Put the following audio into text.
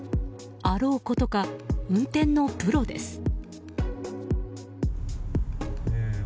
あろうことか運転のプロです。